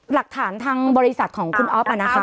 หลักฐานทางบริษัทของคุณอ๊อฟนะคะ